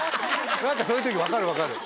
そういう時分かる分かる。